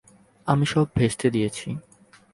আমি সব ভেস্তে দিয়েছি।